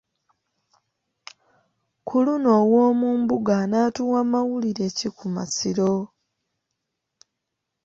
Ku luno Owoomumbuga anaatuwa mawulire ki ku Masiro?